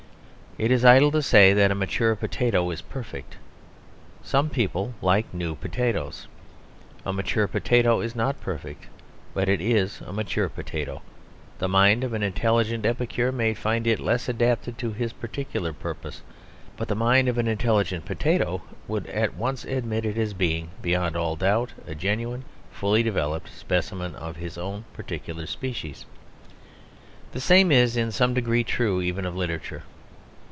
It is idle to say that a mature potato is perfect; some people like new potatoes. A mature potato is not perfect, but it is a mature potato; the mind of an intelligent epicure may find it less adapted to his particular purpose; but the mind of an intelligent potato would at once admit it as being, beyond all doubt, a genuine, fully developed specimen of his own particular species. The same is in some degree true even of literature.